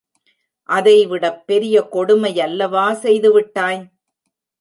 அதைவிடப் பெரிய கொடுமை யல்லவா செய்து விட்டாய்.